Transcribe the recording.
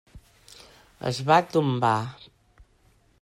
Es va tombar.